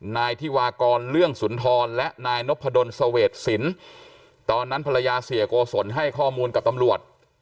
นายธิวากรเรื่องสุนทรและนายนพดลเสวดสินตอนนั้นภรรยาเสียโกศลให้ข้อมูลกับตำรวจ